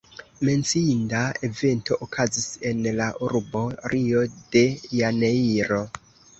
Menciinda evento okazis en la urbo Rio de janeiro.